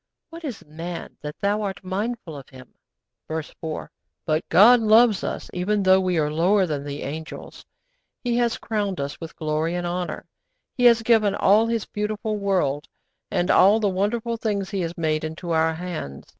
What is man, that Thou art mindful of him?' (Verse 4.) But God loves us even though we are lower than the angels. He has crowned us with glory and honour. He has given all His beautiful world, and all the wonderful things He has made, into our hands.